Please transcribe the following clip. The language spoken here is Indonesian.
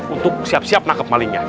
untuk siap siap menangkap malingnya